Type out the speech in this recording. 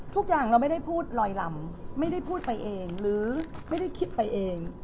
ทุกอย่างเราไม่ได้พูดลอยลำไม่ได้พูดไปเองหรือไม่ได้คิดไปเอง